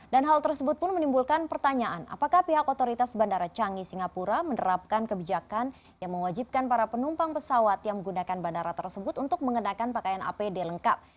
dan hal tersebut pun menimbulkan pertanyaan apakah pihak otoritas bandara canggih singapura menerapkan kebijakan yang mewajibkan para penumpang pesawat yang menggunakan bandara tersebut untuk mengenakan pakaian apd lengkap